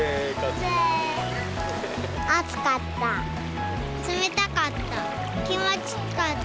暑かった。